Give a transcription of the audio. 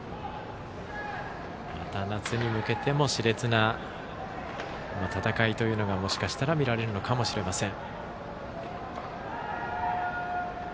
また夏に向けてもしれつな戦いがもしかしたら見られるかもしれません。